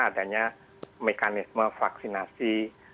adanya mekanisme vaksinasi